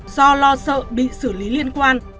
do lo sợ bị xử lý liên quan